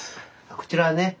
こちらはね